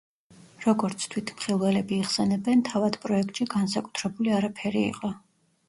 როგორც თვითმხილველები იხსენებენ თავად პროექტში განსაკუთრებული არაფერი იყო.